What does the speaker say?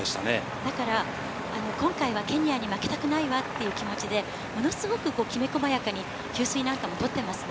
だから、今回はケニアに負けたくないわっていう気持ちで、ものすごくきめ細やかに給水なんかも取ってますね。